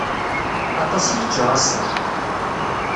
Aṭas i yečča ass-a.